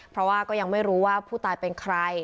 เพราะว่าก็ยังไม่รู้ว่าผู้ตายเป็นใคร